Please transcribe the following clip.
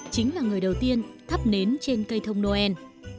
chính là người đầu tiên thắp nến trên cây thông noel